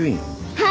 はい